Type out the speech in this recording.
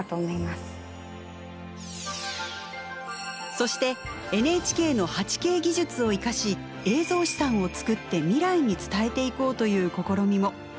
そしてＮＨＫの８Ｋ技術を生かし映像資産を作って未来に伝えていこうという試みも。